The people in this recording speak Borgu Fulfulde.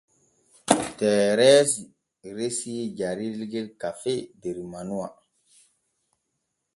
Tereesi resii jarirgel kafee der manuwa.